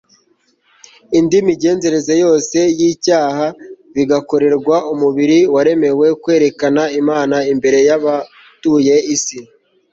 indi migenzereze yose y'icyaha, bigakorerwa umubiri waremewe kwerekana imana imbere y'abatuye isi